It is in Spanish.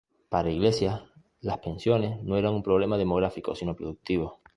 Para Iglesias, las pensiones no eran un problema demográfico sino productivo.